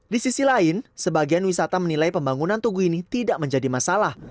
di sisi lain sebagian wisata menilai pembangunan tugu ini tidak menjadi masalah